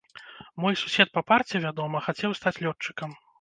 Мой сусед па парце, вядома, хацеў стаць лётчыкам.